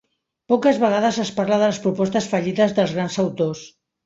Poques vegades es parla de les propostes fallides dels grans autors.